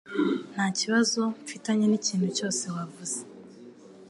Nta kibazo mfitanye nikintu cyose wavuze